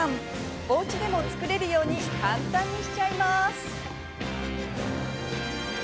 おうちでも作れるように簡単にしちゃいます。